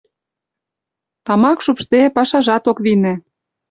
Тамак шупшде, пашажат ок вийне.